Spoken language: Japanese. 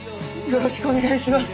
よろしくお願いします。